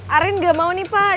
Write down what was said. arin gak mau nih pak